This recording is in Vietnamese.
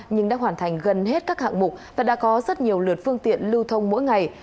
nhưng đã hoàn thành gần hết các hạng mục và đã có rất nhiều lượt phương tiện lưu thông mỗi ngày